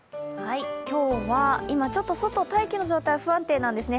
今日は今ちょっと外、大気の状態不安定なんですね。